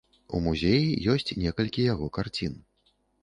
У музеі ёсць некалькі яго карцін.